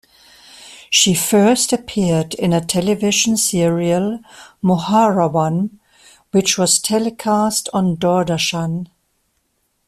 She first appeared in a television serial "Moharavam" which was telecast on Doordarshan.